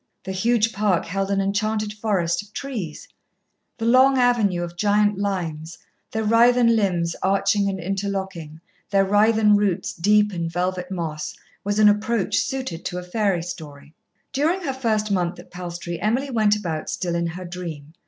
The huge park held an enchanted forest of trees; the long avenue of giant limes, their writhen limbs arching and interlocking, their writhen roots deep in velvet moss, was an approach suited to a fairy story. During her first month at Palstrey Emily went about still in her dream.